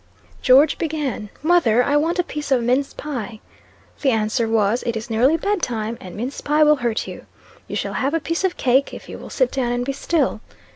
George began, 'Mother, I want a piece of mince pie.' The answer was, 'It is nearly bed time; and mince pie will hurt you. You shall have a piece of cake, if you will sit down and be still.'